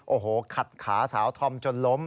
โอ้โหขัดขาสาวธอมจนล้ม